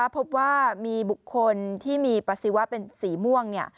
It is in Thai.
พบว่าบุคคลที่มีประสิวะแบบสีม่วง